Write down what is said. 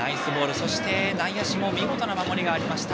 内野手も見事な守りがありました。